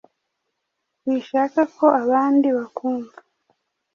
wishaka ko abandi bakumva